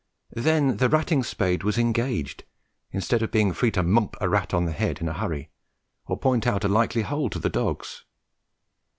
Then the ratting spade was engaged instead of being free to mump a rat on the head in a hurry, or point out a likely hole to the dogs.